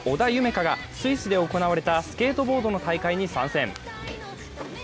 海がスイスで行われたスケートボードの大会に参戦